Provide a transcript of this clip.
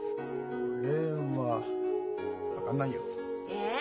俺は分かんないよ。え？